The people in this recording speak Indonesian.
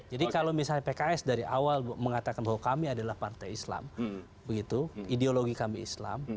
jadi kalau misalnya pks dari awal mengatakan bahwa kami adalah partai islam begitu ideologi kami islam